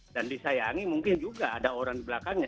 dan disayangi mungkin juga ada orang di belakangnya